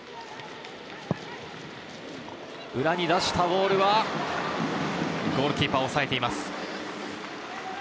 裏に出したボールは、ゴールキーパー抑えています。